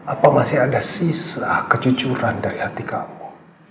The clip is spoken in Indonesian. apa masih ada sisa kejujuran dari hati kamu